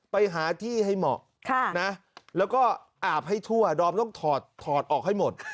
ไปหาที่ให้เหมาะแล้วก็อาบให้ทั่วดอมต้องถอดออกให้หมด